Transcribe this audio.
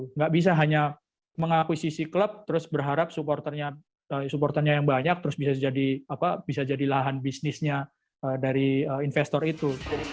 tidak bisa hanya mengakuisisi klub terus berharap supporternya yang banyak terus bisa jadi lahan bisnisnya dari investor itu